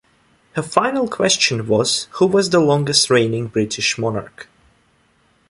Her final question was, Who was the longest reigning British monarch?